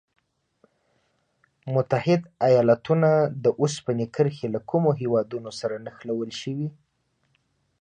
متحد ایلاتونو د اوسپنې کرښې له کومو هېوادونو سره نښلول شوي؟